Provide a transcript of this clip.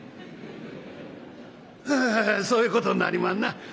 「ああそういうことになりまんな」。